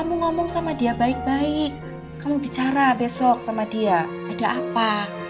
kamu ngomong sama dia baik baik kamu bicara besok sama dia ada apa